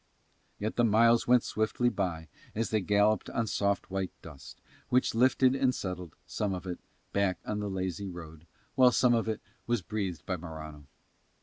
Yet the miles went swiftly by as they galloped on soft white dust, which lifted and settled, some of it, back on the lazy road, while some of it was breathed by Morano.